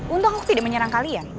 untung aku tidak menyerang kalian